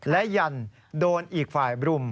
และยันโดนอีกฝ่ายบรุม